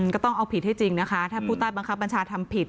ก็ต้องเอาผิดให้จริงนะคะถ้าผู้ใต้บังคับบัญชาทำผิด